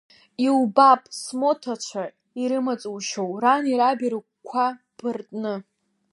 Иубап смоҭацәа ирымаҵушьоу, рани раби рыгәқәа ԥыртны.